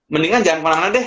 mendingan jangan kemana mana deh